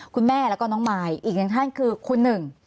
คุณแม่แล้วก็น้องมายอีกหนึ่งท่านคือคุณหนึ่ง